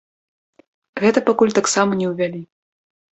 Гэта пакуль таксама не ўвялі.